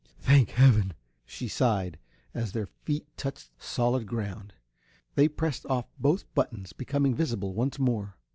"Thank heaven!" she sighed, as their feet touched solid ground. They pressed off both buttons, becoming visible once more.